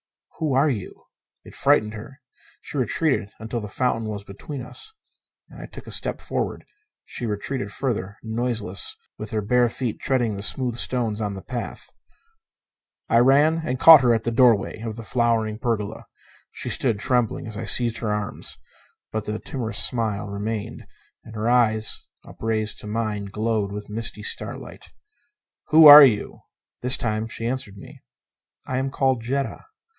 "Who are you?" It frightened her. She retreated until the fountain was between us. And as I took a step forward, she retreated further, noiseless, with her bare feet treading the smooth stones the path. I ran and caught her at the doorway of the flowered pergola. She stood trembling as I seized her arms. But the timorous smile remained, and her eyes, upraised to mine, glowed with misty starlight. "Who are you?" This time she answered me. "I am called Jetta."